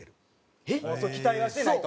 期待はしてないと？